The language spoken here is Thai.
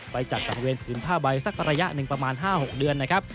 ไปจัดสังเวียผืนผ้าใบสักระยะหนึ่งประมาณ๕๖เดือนนะครับ